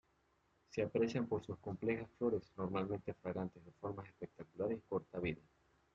Se aprecian por sus complejas flores, normalmente fragantes, de formas espectaculares y corta vida.